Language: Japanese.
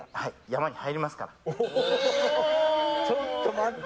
ちょっと待って。